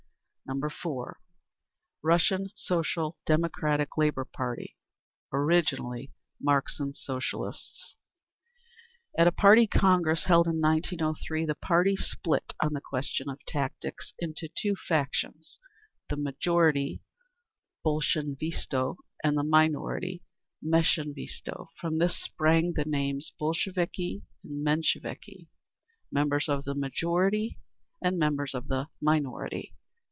4. Russian Social Democratic Labour Party. Originally Marxian Socialists. At a party congress held in 1903, the party split, on the question of tactics, into two factions—the Majority (Bolshinstvo), and the Minority (Menshinstvo). From this sprang the names "Bolsheviki" and "Mensheviki"—"members of the majority" and "members of the minority."